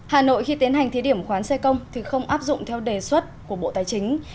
hà nội khi tiến hành thí điểm khoán xe công thì không áp dụng theo đề xuất của bộ tài chính